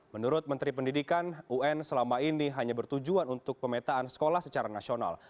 menurut menteri pendidikan un selama ini hanya bertujuan untuk pemetaan sekolah secara nasional